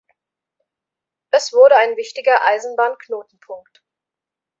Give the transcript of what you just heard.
Es wurde ein wichtiger Eisenbahnknotenpunkt.